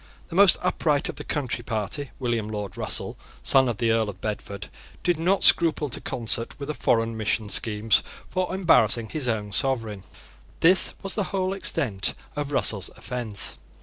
The most upright of the Country Party, William Lord Russell, son of the Earl of Bedford, did not scruple to concert with a foreign mission schemes for embarrassing his own sovereign. This was the whole extent of Russell's offence.